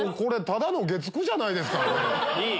ただの月９じゃないですか。